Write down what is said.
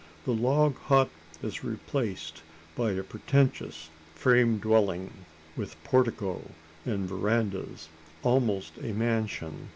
The log hut is replaced by a pretentious frame dwelling with portico and verandahs almost a mansion.